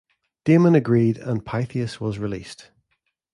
Damon agreed, and Pythias was released.